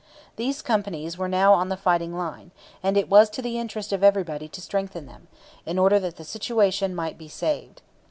These companies were now on the fighting line, and it was to the interest of everybody to strengthen them, in order that the situation might be saved.